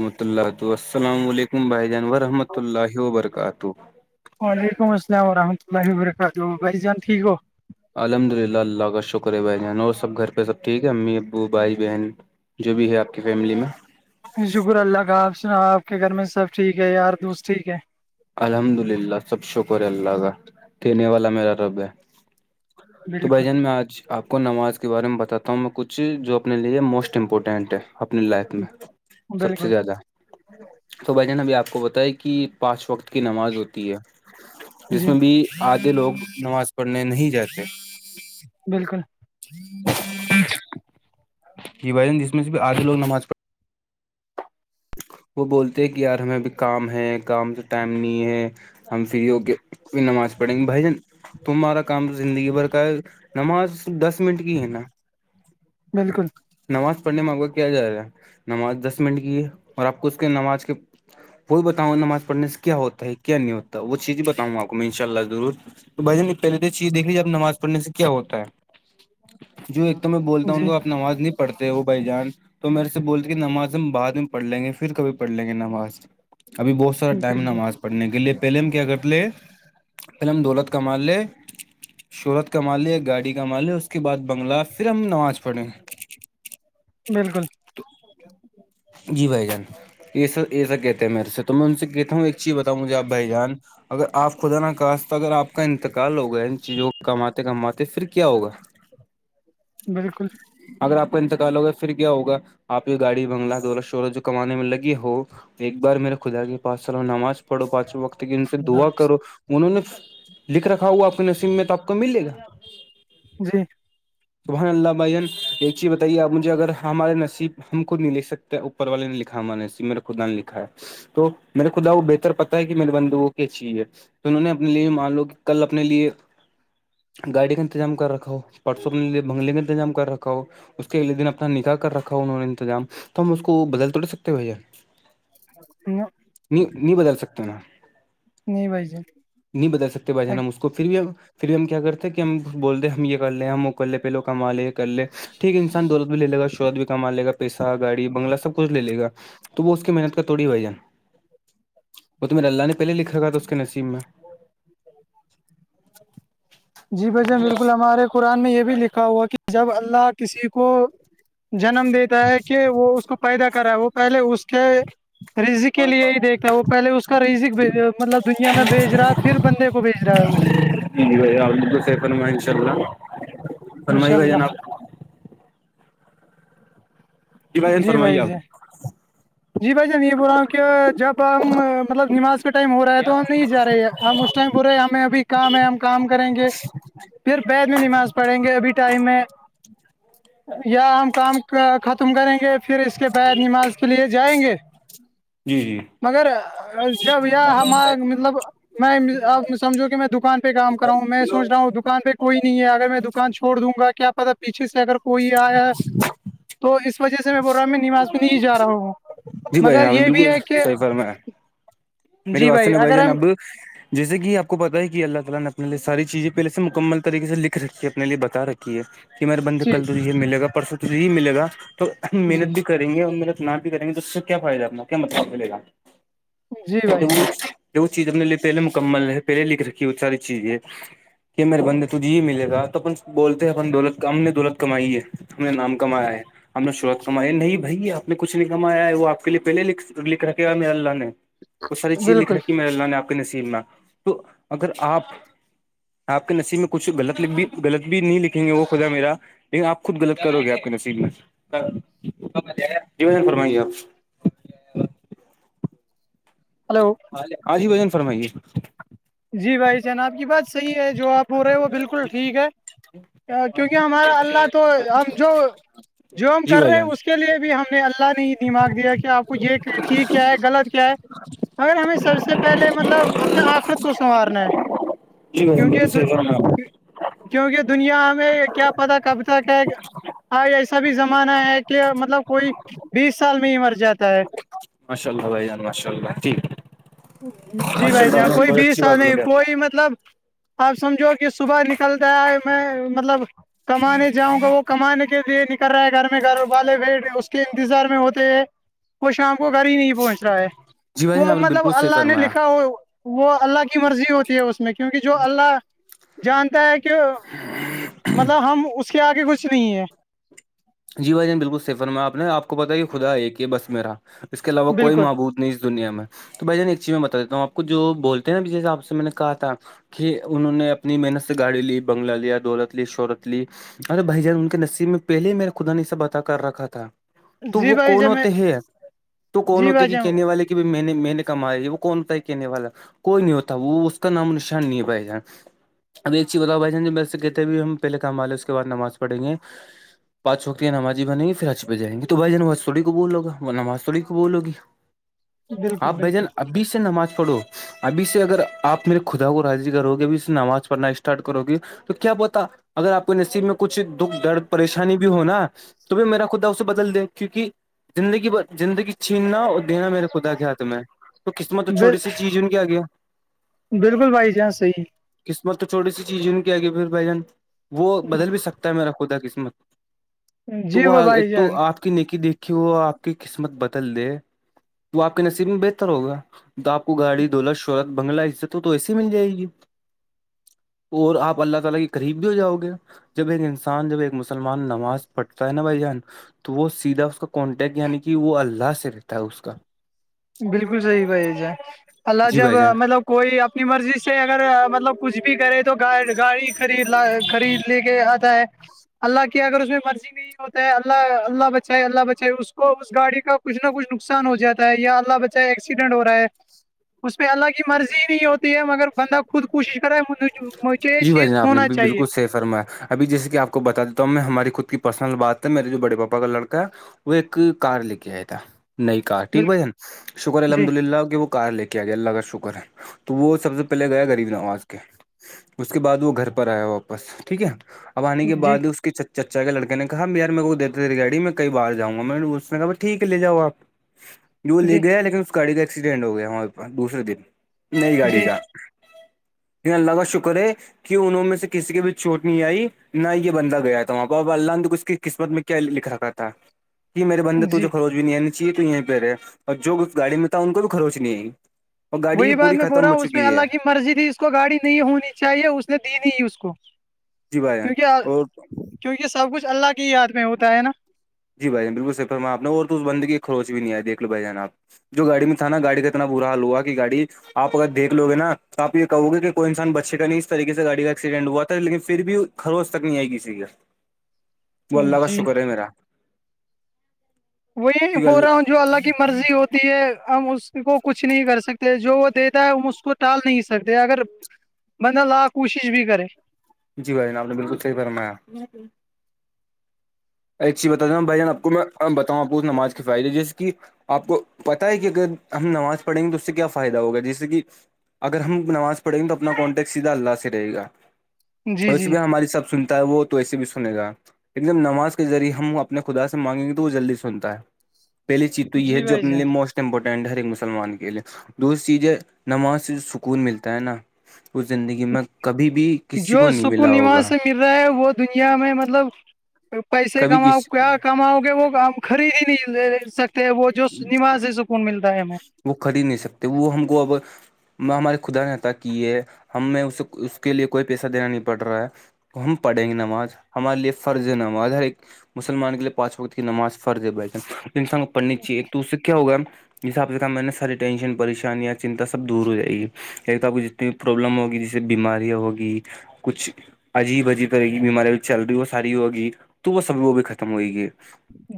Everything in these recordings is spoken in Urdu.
وحمۃ اللہ السلام علیکم بھائی جان ورحمۃہ اللہ وبرکاتہ وعلیکم السلام ورحمۃہ اللہ و برکاتہ بھائی جان ٹھیک ہو الحمد للہ اللہ کا شکر ہے بائی جان اور سب گھر پہ سب ٹھیک ہے امی ابو بھائی بہن جو بھی ہے آپ کی فیملی میں شکر اللہ کا آپ سناؤ آپ کے گھر میں سب ٹھیک ہے یار دوست ٹھیک ہے الحمد للہ سب شکر ہے اللہ کا دینے والا میرا رب ہے تو بھائی بالکل جان میں آج آپ کو نماز کے بارے میں بتاتا ہوں میں کچھ جو اپنے لیے موسٹ امپورٹینٹ ہے اپنی لائف میں سب سے بالکل زیادہ تو بھائی جان ابھی آپ کو بتائ کہ پانچ وقت کی نماز ہوتی ہے جس جی میں بھی آدھے لوگ نماز پڑھنے نہیں جاتے بالکل ہاں جی بائن جس میں بھی آدھ لوگ نماز پڑھے وہ بولتے ہیں کہ یار ہمیں ابھی کام ہے کام سے ٹائم نہیں ہے ہم فری ہو کے پھر نماز پڑھیں گے بھائی جان تمہارا کام زندگی بھر کا ہے نماز دس منٹ کی ہے نا بالکل نماز پڑھنے میں اق کیا جا رہا ہے نماز دس منٹ کی ہے اور آپ کو اس کے نماز کے وہی بتاؤںا نماز پڑھ سے کیا ہوتا ہے کیا نہیں ہوتا ہے وہ چیز بھی بتاؤںا آپ کو میں ان شاء اللہ ضرور تو بھائین پہے تو چیز دیکھی لییےب ناز پڑھ سے کیا ہوتا ہے جو ایک تو میں بولتا ہوں ان جی کو اپنا آواز نہیں پڑھتے وہ بھائی جان تو میرے سے بولتے کہ نماز ہم بعد میں پڑھ لیں گے پھر کبھی پڑھ لیں گے نماز ابھی بہت سارا ٹائ ن ہم بالکل آ پڑھنے کے لیے پہل ہم کیا کرتےے پہل ہم دولت کا مان لے شہورت کا مالی گاڑی کا مال اس کے بعد بنگلہ پھر ہم نماز پڑھے بالکل جی بھائی جان یہ سب یہ سب کہتے ہیں میرے سے تو میں ان سے کہتا ہوں ایک اچ بتاؤ مجھے آپ بھائی جان اگر آپ خدا ن کہس اگر آپ کا انتقال ہوگا ان چیزوں کماتے کماتے پھر کیا ہوگا بالکل اگر آپ کا انتقال ہوگا پھر کیایا ہوگا آپ یہ گاڑی بنگلہ والا شعرت جو کمانے میں لگ ہو ایک بار میرے خدا کے پانچ سالوں میں نماز پڑھو پانچووں وقت ان سے دا کرو انہوں نے لکھ رکھا ہوا اپنے نصب میں تو آپ کو ملے گا جی سبحان اللہ بھائین یہ چیز بتائیے آپ مجھے اگر ہمار نیب ہم خود نہیں لکھ سکتے ہیں اوپر والے نہیں لکھا ہمارے نصیب میرا خود ن نے لکھا ہے تو میرے خدا وہ بہتر پتا ہے کہ میرے بندو وہ کی چاہیے تو انہوں نے اپنے لیے مان لو کہ کل اپنے لیے گاڑی کا انتظام کر رکھا پڑ سبے بنگلے کے انتظام کر رکھا ہو اس کے اگلے دن اپنا نکح کر رکھا انہوں نے انتظام تو ہم اس کو بدل توڑ سکتے ہیں بھیا ہاں ہاں نہیں نہیں بدل سکتے نا نہیں بھائی نہیں بدل سکتے با جان ہم اس کو پھر بھی ہم پھر بھی ہم کیا کرتے ہیں کہ ہم بول د ہیں ہم یہ کر لیں ہیں ہم کلے پہلوں کا مالک کر لے ٹھیک انسان دولت بھی لے ل گا شورت بھی کما لے گا پیسہ گاڑی بنگلہ سب کچھ لے گا تو وہ اس کی محنت کا توڑی بھائی جان وہ تو میرے اللہ نے پہلے لکھا تھا اس کے نصیب میں جی بھ جان بالکل ہمارے قرآن میں یہ بھی لکھا ہوا کہ جب اللہ کسی کو جنم دیتا ہے کہ وہ اس کو پیدا کرا ہے وہ پہلے اس کے رزق کے لیے ہی دیکھتا ہے وہ پہلے اس کا رزک مطلب دنیا میں بھیج رہا ہے پھر بندے کو بھیج رہا ہے وہ جی جی بھائی آپ بالکل صی فرمائییں ان شاء اللہ انشاء فرمائیے بھائی جان اللہ آپ جی بھائی جی ہاں جی بھائی جان یہ بول رہا ہوں کہ جب ہم مطلب نماز کا ٹائم ہو رہا ہے تو ہم نہیں جا رہے ہیں ہم ٹائم پرے ہمیں ابھی کام ہے ہم کام کریں گے پھر بیید میں نماز پڑھیں گے ابھی ٹائم میں یا ہم کام ختم کریں گے پھر اس کے بعد نماز کے لیے جائیں گے جی جی مگر جب یہ ہمار مطلب میںبمجھو کہ میں دکان پہ کام کرا ہوں میں سوچ رہا ہوں دکان پہ کوئی نہیں ہے اگر میں دکان چھڑ دوں گا کیا پتا پیچھے سے اگر کوئی آیا ہے تو اس وجہ سے میں بول رہا ہاں نواز میں نہیں جا رہا ہوں جی بھائی جان مگر آپ یہ نے بھی بالکل ہے کہ صحیح فرمایا جی بھائی اگر ہم ہاں جیسے کہ پ کو پتتا ہے کہ اللہ تعالی نے اپنے لی ساری چیزیں پہلے سے مکمل طریقے سے لکھ رکھی ہے اپنے لیے بتا رکھی ہے کہ میرے بندے جی کل تج یہ ملے گا پرسوں تجے ہی ملے گا تو جی محنت بھی کر یں گے اننا بھی کریں گے تو سے کیا فائدہ اپنا کیا مطلب آ کو لینا جی بھائی جی وہ وہ چیز اپ نے لیے پہلے مکمل ہے پہلے لکھ رکھی ہے وہ ساری چیز ہے کہ میرے بندے تجے ہی ملے گا تو اپن بولتے ہیں اپن دولت ہم نے دولت کمائی ہے ہم نے نام کمایا ہے ہمپ نے شروعت کمائی ہے نہیں بھائی آپ نے کچھ نہیں کمایا ہے وہ آپ کے لیے پہلے لکھ رکھے مے اللہ نے وہ ساری چیز لکھ بالکل رکھی م اللہ نے آپ کے نصیب میں تو اگر آپ آپ کے نصیب میں کچھغط غط بھی نہیں لکھیں گے وہ خدا میرا لیکن آپ خود غلط کرو گے آپ کے نصیب میں ج فرمائیے آپ ہلو آج ہی وجن فرمائیے جی بھائی جنا آب کی بات صحیح ہے جو آپ ہو رہے وہ بالکل ٹھیک ہے کیونکہ ہمارا اللہ تو ہم جو جووم جی کر بھائی رہے جان اس اس کے لیے بھی ہم نے اللہ نے نماگ دیا کہ آپ کو یہ ٹھیک کیا ہے غلط کیا ہے اگر ہمیں سب سے پہلے مطلب اپنے آخرت کو سنوارنا ہے جی بھائی جان کیونکہ بالکل تو صحیح فرمایا آپ۔ کیونکہ دنیا ہمیں کیا پتا کب تک ہے ہاں ایسا بھی زمانہ ہے کہ مطلب کوئی بیس سال میں ہی مر جاتا ہے ماشا اللہ بھان ماشاء اللہ جی ماشاء بھائی اللہ جاں جان کوئی بہت بیس اچھی سال بات میں بولے آپ نے۔ کوئی مطلب آپ سمجھو کہ صبح نکل جائے ہے میں مطلب کمانے جاؤں گا وہ کمانے کے لیے نکل رہا ہے گھر میں گھروں والالے بھیٹ اس کے انتظار میں ہوتے ہیں ای وہ شام کو گھر ہی نہیں پہنچ رہا ہے جی بھائی وہ جان آپ نے مطلب بالکل صحیح اللہ نے فرمایا لکھا وہ وہ اللہ کی مرضی ہوتی ہے اس میں کیونکہ جو اللہ جانتا ہے کہ مطلب ہم اس کے آگے کچھ نہیں ہے جی بھائی جان بالکل سفر میں آپ نے آپ کو پتاہ یہ خدا ایک یہ بس میرا اس کے علاوہ کوئی بالکل معبوود اس دنیا میں تو بھ جان ایک چیز میں بتا دیتا ہوں آپ کو جو بول ہیں نا جس حساب سے میں نے کہا تھا کہ انہوں نے اپنی محنت سے گاڑی لی بنگلہ لیا دولت لی شہرت لی ارے بھائی جان ان کے نصیب میں پہلے ہی میرا خدا نے سب بط کر رکھا تھا تو جی وہ بھائی کون جان میں ہوتے ہیں تو کون جی ہوتے بھائی کہ جان کہنے والے کے میں نے میں نے کمایا ہے وہ کونتا ہے کہنے والا کوئی نہیں ہوتا وہ اس کا نام نشان نہیں بھائی جان اب ایک چیز بتاؤ بھائی جان جی ویسے کہتے بھی ہم پہل کامالے اس کے بع نماز پڑیں گے پاچوکیا نمازی بن گی پھرچ پ جائیں گے تو بھ جمواستوڑی کو بولو گا وہ نمازوری کو بولوی بالکل آپ بھ جان بالکل ابھی سے نماز پڑھو ابھی سے اگر آپ میرے خدا کو راضی کرو گے ابھی سے نماز پڑھنا اسٹارٹ کرو گے تو کیا بتا اگر آپ کو نصیب میں کچھ دکھ درد پریشان بھی ہوناا تو پ میرا خدا اسے بدل دے کیونکہ زندگی زندگی چھیننا اور دینا میرے خدا کیا تھام میں تو قسمت تو چھوٹی بال- سی چیز ان کے آ گیا بالکل بھائی جی ہاں صحی قسمت تو چھوٹی سی چیز ان کی آگی پھر بھائی جان وہ بدل بھی سکتا ہے میرا خدا قسمت تو جی وہ ایک بھائی تو جان آپ آ کی نیکی دیکھی وہ آپ کی قسمت بدل دے تو آپ کے نصیب میں بہتر ہوگا تو آپ کو گاڑی دولت شہورت بنگلہ اس سے تو ایسی ہی مل جائے گی اور اپ اللہ تعالی کے قریب بھی ہو جاؤ گے جب ان انسان جب ایک مس سلمان نماز پڑھتا ہے نا بھائی جان تو وہ سیدھا اس کا کانٹیکٹ یعنی کہ وہ اللہ سے رہتا ہے اس کا بالکل صحیح بھائی ج اللہ جی جب بھائی جان مطلب کوئی اپنی مرضی سے اگر مطلب کچھ بھی کرے تو گاڑی خرید ل خرید لے کے س اللہ کی اگر اس میں مرضی نہیں ہوتا ہے اللہ اللہ بچائے اللہ بچائے اس کو اس گاڑی کو کچھ نہ کچھ نقصان ہو جاتا ہے یا اللہ بچا ایکسیڈنٹ ہو رہا ہے اس میں اللہ کی مرضی ہی نہیں ہوتی ہے مگر بندہ کو خود کوشش کراج مجھے یہ چیز ہونا چاہیے رما ہےبھی جیسے آپ کو بتا دیتا ہوں میں ہماری خود کی پرسنل بات ہے میرے جو بڑے پاپا کا لڑا ہے وہ ایک کار لے کے آیا تھا نئی کار ٹھیک بالکل بھائین شکر جی الحمد للہ کہ وہ کار لے کے آ گیا اللہ کا شکر ہے تو وہ سب سے پہلے گیا غریب نواز کے اس کے بعد وہ گھر پر آیا واپس ٹھیک ہے اب آنے کے جی بعد اس کے چ چچا کے لڑک نےا یار میرے کو دیتےے گای میں کئی بار جاں گا میں نے اس نے کہاائیٹھیک لے جاؤپ وہ لے جی گیا لیکن اس گاڑی کا ایکسیڈینٹ ہو گیا وہاں دوسرے دن نئی گاڑی جی کا لگش کر کہ انہوں میں سے کسی کے بھیچ چوٹ نہیں آئی نہ یہ بندہ گیا تھا وہاں کو اب اللہ نے تو ک اس کی قسمت میں لکھ رکھا تھا کہ میرے بندے ت جو جی کروچ نہیں آنی چاہے تو یہیں پہ رہے اور جو بھی گاڑی میں تھا ان کو بھی خروچ نہیں آئیی اور گاڑی وہی بات پوری میں بول ختم رہا ہو ہوں اس میں چکی اللہ ہے کی مرضی ت اس کو گاڑی نہیں ہونی چاہیے اس نے دی نہیں اس کو جی بھائی جان، کیونکہ اور کیونکہ سب کچھ اللہ کے ہی یاد میں ہوتا ہے نا جی بھائیان باللر فرماپ نے اور تو اس بند کے کی خوروچ بھی نہیں آ دیکھ لو بائی جان آپ جو گاڑی میں تھا نا گاڑی کا اتنا برا حال ہوا کہ گاڑی آ اگر دیکھ لو گ ن تو آپ یہ کہو گے کہ کوئی انسان بچے کا نہیں اس طقے سے گاڑی کا ایکسیڈنٹ ہوا تھا لیکن پھر بھی خروش تک نہیں آئی کسی کی وہ اللہ کا جی شکر ہے میرا وہی بول رہا ہوں جو اللہ کی مرضی ہوتی ہے ہم اس کو کچھ نہیں کر سکتے جو وہ اس کو ٹال نہیں سکتے اگر بندہ لا کوشش بھی کرے جی بھائی آپ نے بالکل صحیح فرمایا ایک چیز بتااتے ہ بھائی جان آپ کو میں بتاؤں آپور نماز کے فائدے جیے کہ آپ کو پتا ہے کہ اگر ہم نماز پڑھیں گے تو اس سے کیا فائدہ ہوگا جیسے کہ اگر ہم نماز پڑھیں گے تو اپنا کانٹیکٹ سیدھا اللہ سے رہے گا جی ویسے جی بھی ہماری سب سنتا ہے وہ تو ویسے بھی سنے گا ایک دم نماز ذریعے ہم اپنے خدا سے مانگیں گے تو وہ جلدی سنتا ہے پہلی چیز تو یہ ہے جی جو بھائی اپنے جان لیے موسٹ امپورٹینٹ ہے ہر ایک مسلمان کے لیے دوسری چیز ہے نماز سے جو سکون ملتا ہے نا اس زندگی میں کبھی بھی کسی کو جو نہیں سکون ملا ہوگا نماز سے رہا وہ دنیا میں مطلب پیسے کبھی کماؤ کسی کیا کماؤ گے وہ کام خرید ہی نہیں لے سکتے وہ جو نماز سے سکون ملتا ہے ہمیں وہ کی نہیں سکتے وہ ہم کو اب میں ہمارے خدا نے عتا کی ہے ہمیں اسے اس کے لیے کوئی پیسہ دینا نہیں پڑ رہا ہے ہم پڑھیں گے نماز ہمارے لیے فرض نماز ہر ایک مسلمان کےے پانچ وقت کی نماز فرض بیٹھے انسان کو پڑھنی چاہی ایک توسے کیا ہوگا حساب سے میں نے ساری ٹینشن پریشانیاں چنتا سب دور ہو جائے گی ایک تو آپ کو جتنی پرابلم ہوگی جیسے بیمارییا ہوگی کچھ عجیب عجیب رہے گی بیماری چل رہی وہ ساری ہوگی تو وہ سب وہ بھی ختم ہوئے گی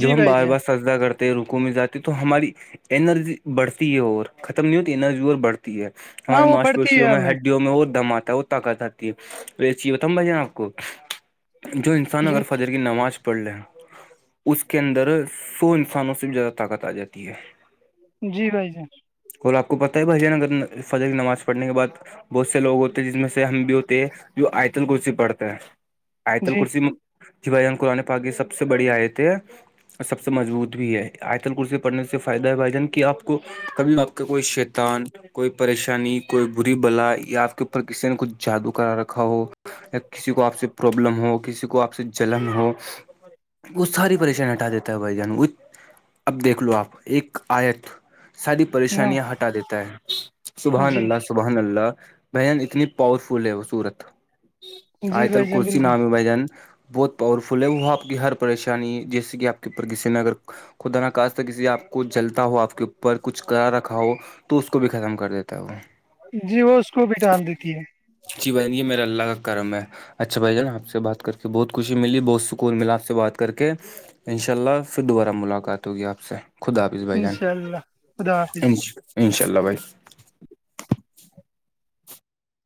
جب جی ہم بھائی بار جان بار سزدا کرتے رک میں جاتی تو ہماری ارجی بڑتی ہے اور ختم نہیں ہوتی انرجی بڑھتی ہے ہاں ہماریے وہ ماش پڑتی ہے پیوشیوں میں ہمیں ہڈیوں میں اور دم آاتتا ہے وہ جاتتی ہے چ یہ بتاؤں بھائی آپ کو جو انسان جی اگر فجر کی نماز پر پڑ لے ہیں اس کے اندر سو انسانوں سے بھی زیادہ طاقت آ جاتی ہے جی بھائی جی اور آپ کو پتہ ہے بھائیانگر فضح کی نماز پڑھنے کے بعد بہت سے لوگ ہوتے ہیں جس میں سے ہم بھی ہوتے ہیں جو آئیتل کرسی پڑھتے ہیں آئیتل جی کرسی جیواان قرآن پااک یہ سب سے بڑی آیت ہے اور سب سے مضبوط بھی ہے آتل کرسی پڑھنے سے فائدہ ہے بھائی جان کی آپ کو کبھی آپ کا کوئی شیتان کوئی پریشانی کوئی بری بلا یا آپ کے اوپر کسی نے کچھ جادو کرا رکھا ہو یا کسی کو آپ سے پرابلم ہو کسی کو آپ سے جلن ہو وہ ساری پریشانی ہٹا دیتا ہے بھائی جان اب دیکھ لو آپ ایک آیت ساری ہاں پریشانیاں ہٹا دیتا ہے سبحان جی اللہ سے سبحان اللہ بہن اتنی پاور فل ہے وہ صورت آئی جی تل بھائی جان کورسی بالکل نام بجن بہت پاورفل ہے وہ آپ کی ہر پریشانی جیسے کہ آپ کے کسی نے اگر خودا نقاست کسی آپ کو جلتا ہو آپ کے اوپر کچھ کرا رکھا ہو تو اس کو بھی ختم کر دیتا ہے وہ جی وہ اس کو بھی ڈال دیتی ہے اس کی بہن یہ میرا اللہ کا کرم ہے اچھا بھائی جان آپ سے بات کر کے بہت خوشی ملی بہت سکون ملا آپ سے بات کر کے انشاء اللہ پھر دوبارہ ملاقات ہوگی آپ سے خود آپ بھائی انشاء اللہ خدا جانا حافظ انشاء اللہ بھائی